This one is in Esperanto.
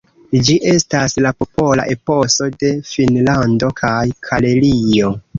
Ĝi estas la popola eposo de Finnlando kaj Karelio.